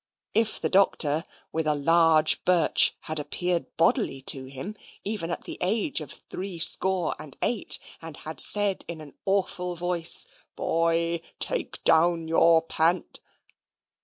If the Doctor, with a large birch, had appeared bodily to him, even at the age of threescore and eight, and had said in awful voice, "Boy, take down your pant